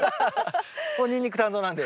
俺ニンニク担当なんで。